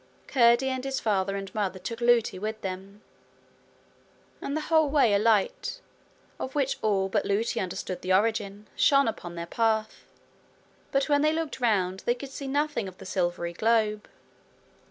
Curdie and his father and mother took Lootie with them. And the whole way a light, of which all but Lootie understood the origin, shone upon their path. But when they looked round they could see nothing of the silvery globe.